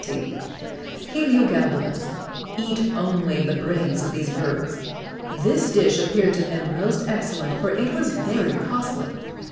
_] Heliogabalus eat only the brains of these birds.[XX 54] This dish appeared to him most excellent, for it was very costly.